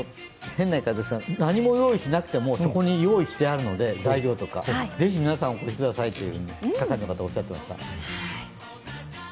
変な言い方ですが、何も用意しなくてもそこに材料とか用意してあるのでぜひ皆さん、お越しくださいと係の方、おっしゃっていました。